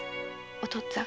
お父っつぁん。